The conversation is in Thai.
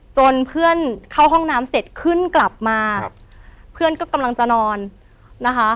จนเพื่อนเข้าห้องน้ำเสร็จขึ้นกลับมาครับเพื่อนก็กำลังจะนอนนะคะ